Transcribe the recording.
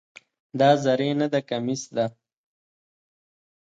دا زری نده، کمیس ده.